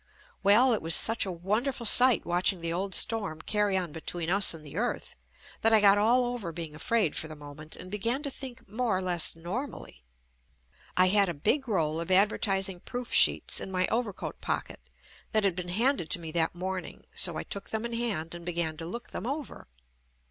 Well, it was such a JUST ME wonderful sight watching the old storm carry on between us and the earth that I got all over being afraid for the moment and began to think more or less normally. I had a big roll of ad vertising proof sheets in my overcoat pocket that had been handed to me that morning. So I took them in hand and began to look them over.